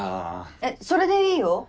えっそれでいいよ。